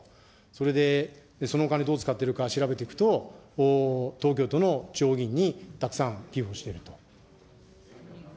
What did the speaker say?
それでそのお金どう使っているか調べていくと、東京都の地方議員にたくさん寄付をしていると。